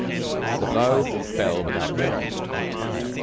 The blow fell without warning.